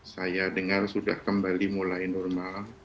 saya dengar sudah kembali mulai normal